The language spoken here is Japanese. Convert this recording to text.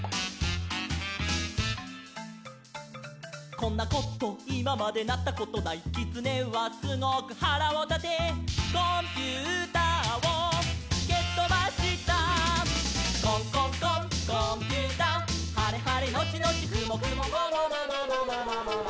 「こんなこといままでなったことない」「きつねはすごくはらをたて」「コンピューターをけとばした」「コンコンコンコンピューター」「はれはれのちのちくもくもももももももももも」